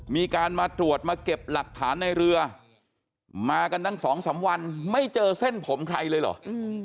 มีการมาตรวจมาเก็บหลักฐานในเรือมากันตั้งสองสามวันไม่เจอเส้นผมใครเลยเหรอ